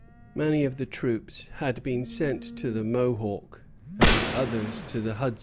Many of the troops had been sent to the Mohawk, and others to the Hudson.